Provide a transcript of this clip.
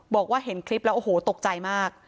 บอกว่าเห็นคลิปแล้วโอ้โหตกใจมาก